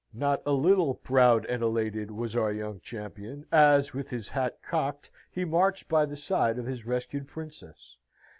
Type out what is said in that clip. Not a little proud and elated was our young champion, as, with his hat cocked, he marched by the side of his rescued princess.